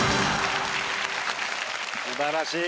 素晴らしい！